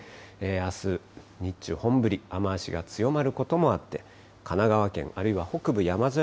あす日中、本降り、雨足が強まることもあって、神奈川県、あるいは北部山沿い